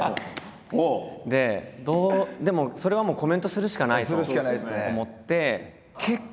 でもそれはもうコメントするしかないと思って。